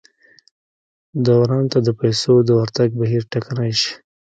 دوران ته د پیسو د ورتګ بهیر ټکنی شي.